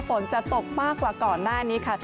ฝนจะตกมากกว่าก่อนหน้านี้ค่ะ